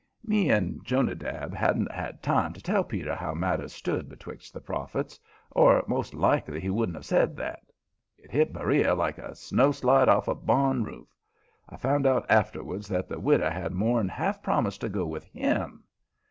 Me and Jonadab hadn't had time to tell Peter how matters stood betwixt the prophets, or most likely he wouldn't have said that. It hit Beriah like a snowslide off a barn roof. I found out afterwards that the widder had more'n half promised to go with HIM.